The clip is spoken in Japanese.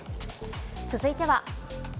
続いては。